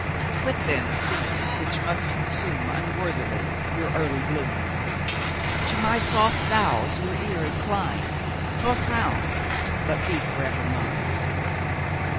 Quit then a scene which must consume Unworthily your early bloom! To my soft vows your ear incline, Nor frown, but be for ever mine!